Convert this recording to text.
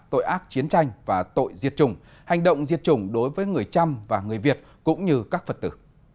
tội ác chiến tranh và tội diệt chủng hành động diệt chủng đối với người trăm và người việt cũng như các phật tử